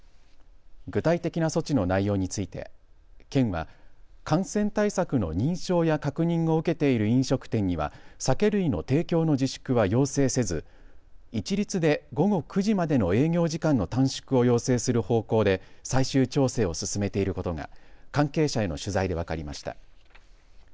具体的な措置の内容について県は感染対策の認証や確認を受けている飲食店には酒類の提供の自粛は要請せず一律で午後９時までの営業時間の短縮を要請する方向で最終調整を進めていることが関係者への取材で分かりました。